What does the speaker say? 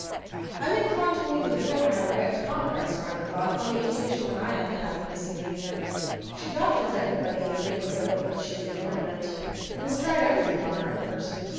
I am inclined to believe the former had a wet COMPRESSE around her body, on the occasion when I had the happiness of meeting her. She doctors everybody in the neighbourhood of which she is the ornament; and has tried everything on her own person.